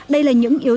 đây là những yếu tố